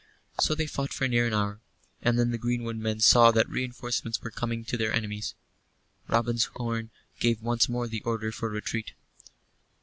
So they fought for near an hour; and then the greenwood men saw that reinforcements were coming to their enemies. Robin's horn gave once more the order for retreat.